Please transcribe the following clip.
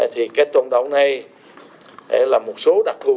thì cái tổng đồng này là một số đặc thù